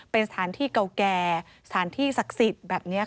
เป็นสถานที่เก่าแก่สถานที่ศักดิ์สิทธิ์แบบนี้ค่ะ